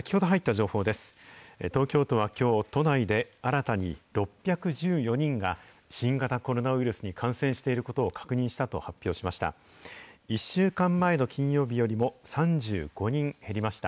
東京都はきょう、都内で新たに６１４人が新型コロナウイルスに感染していることを確認したと発表しました。